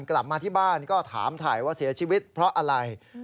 กลับมาที่บ้านก็ถามถ่ายว่าเสียชีวิตเพราะอะไร